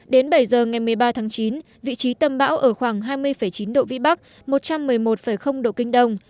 đến bảy giờ ngày một mươi ba tháng chín vị trí tâm bão ở khoảng hai mươi chín độ vĩ bắc một trăm một mươi một độ kinh đông